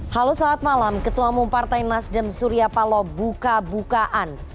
halo selamat malam ketua mempartai nasdem surya palo buka bukaan